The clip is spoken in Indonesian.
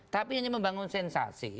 tapi hanya membangun sensasi